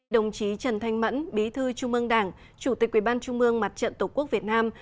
đồng chí trần thanh mẫn bí thư trung ương đảng chủ tịch quyền ban trung mương mặt trận tổ quốc việt nam